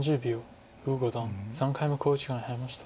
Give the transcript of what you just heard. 呉五段３回目の考慮時間に入りました。